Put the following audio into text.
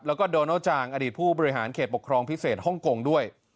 แล้วก็โดนโอจางอดีตผู้บริหารเขตปกครองพิเศษฮ่องกงด้วย